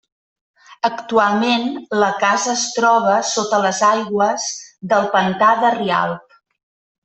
Actualment la casa es troba sota les aigües del pantà de Rialb.